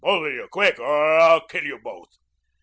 "Both of you. Quick, or I'll kill you both."